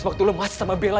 sebab lo lemas sama bella